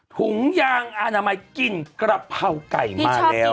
ภูเยี่ยงเขามากินกะเพราไก่มากแล้ว